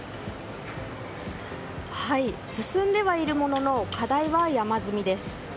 進んではいるものの課題は山積みです。